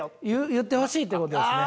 言ってほしいという事ですね。